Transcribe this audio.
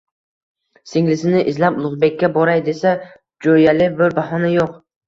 Singlisini izlab Ulug‘bekka boray desa, jo‘yali bir bahona yo‘q